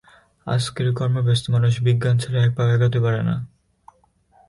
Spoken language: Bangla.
আজকের কর্মব্যস্ত মানুষ বিজ্ঞান ছাড়া একপাও এগোতে পারে না।